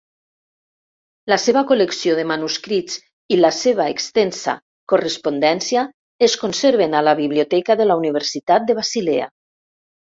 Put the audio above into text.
La seva col·lecció de manuscrits i la seva extensa correspondència es conserven a la Biblioteca de la Universitat de Basilea.